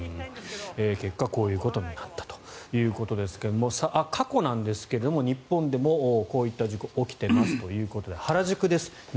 結果、こういうことになったということですが過去なんですが、日本でもこういった事故起きてますということで原宿です。